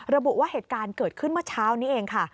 ระบุว่าเหตุการณ์เกิดขึ้นเมื่อเช้านี้เองค่ะ